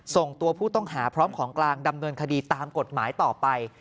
ส่งตัวผู้ต้องหาพร้อมของกลางดำเนินคดีตามกฎหมายต่อไป